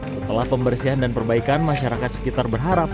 setelah pembersihan dan perbaikan masyarakat sekitar berharap